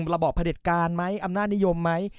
ระบอบผลิตการไหมอำนาจนิยมไหม